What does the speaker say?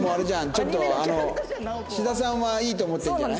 ちょっと志田さんはいいと思ってるんじゃない？